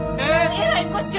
えらいこっちゃ！